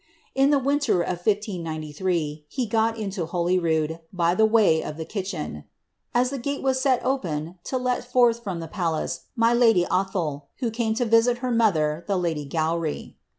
In the winter of 1593, he got into Holy rood, by the way of the kitchen, ^ as the gate was set open to let forth from the palace, my lady Athol, who came to visit her mother, the lady Gowry."